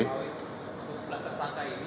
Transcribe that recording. untuk sebuah tersangka ini